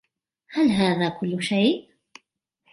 هل هذا کل شی؟